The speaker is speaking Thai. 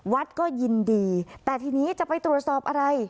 วัดก็ยินดีแต่ทีนี้จะไปตรวจสอบอะไร